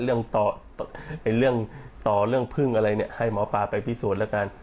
เรื่องต่อเรื่องต่อเรื่องพึ่งอะไรเนี่ยให้หมอปลาไปพิสูจน์แล้วกัน